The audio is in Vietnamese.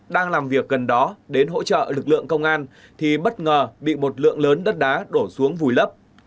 đang làm việc gần đó đến hỗ trợ lực lượng công an thì bất ngờ bị một lượng lớn đất đá đổ xuống vùi lấp